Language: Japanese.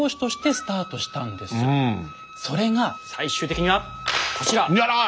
それが最終的にはこちら。